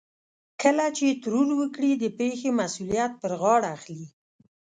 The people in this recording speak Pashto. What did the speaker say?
کله چې ترور وکړي د پېښې مسؤليت پر غاړه اخلي.